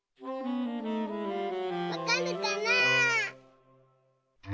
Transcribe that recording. わかるかな？